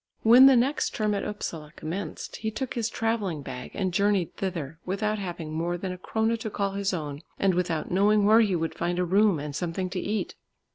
When the next term at Upsala commenced, he took his travelling bag and journeyed thither, without having more than a krona to call his own, and without knowing where he would find a room and something to eat.